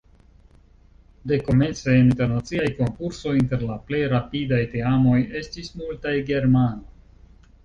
Dekomence en internaciaj konkursoj inter la plej rapidaj teamoj estis multaj germanoj.